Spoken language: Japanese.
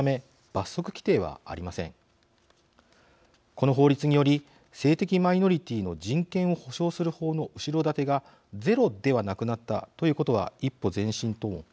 この法律により性的マイノリティーの人権を保障する法の後ろ盾がゼロではなくなったということは一歩前進とも言えるでしょう。